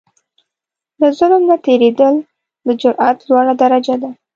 له ظلم نه تېرېدل، د جرئت لوړه درجه ده.